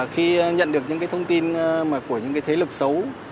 khi nhận được những thông tin của những thế lực xấu